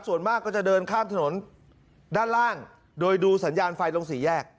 ส่วนมากก็จะเดินข้ามถนนด้านล่างโดยดูสัญญาณไฟตรงสี่แยก